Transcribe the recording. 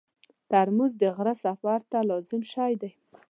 ترموز د غره سفر ته لازم شی دی.